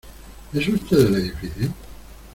¿ es usted del edificio?